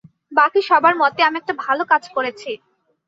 বাকি সবার মতে আমি একটা ভালো কাজ করেছি।